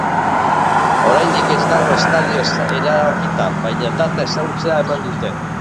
Oraindik ez dago estadioa erabakita, baina data ezagutzera eman dute.